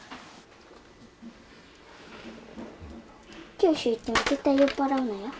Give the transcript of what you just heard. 九州へ行っても絶対酔っ払うなよ。